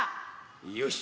よし。